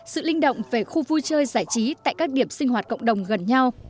sự linh động về khu vui chơi giải trí tại các điểm sinh hoạt cộng đồng gần nhau